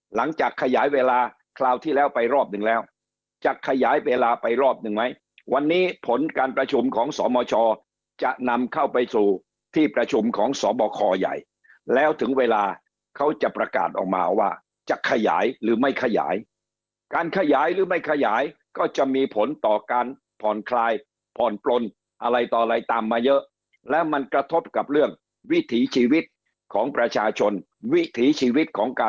หลังจากขยายเวลาคราวที่แล้วไปรอบหนึ่งแล้วจะขยายเวลาไปรอบหนึ่งไหมวันนี้ผลการประชุมของสมชจะนำเข้าไปสู่ที่ประชุมของสบคใหญ่แล้วถึงเวลาเขาจะประกาศออกมาว่าจะขยายหรือไม่ขยายการขยายหรือไม่ขยายก็จะมีผลต่อการผ่อนคลายผ่อนปลนอะไรต่ออะไรตามมาเยอะแล้วมันกระทบกับเรื่องวิถีชีวิตของประชาชนวิถีชีวิตของก